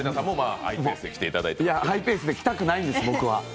ハイペースで来たくないんです、僕は。